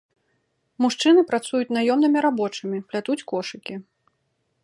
Мужчыны працуюць наёмнымі рабочымі, плятуць кошыкі.